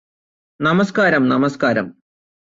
നമസ്ക്കാരം നമസ്ക്കാരം